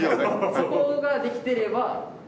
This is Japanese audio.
そこができてれば。